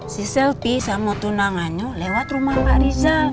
si selfie sama tunangannya lewat rumah pak rizal